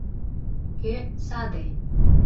Кӧ “саде”?